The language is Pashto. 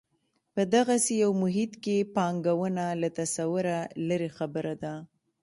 په دغسې یو محیط کې پانګونه له تصوره لرې خبره ده.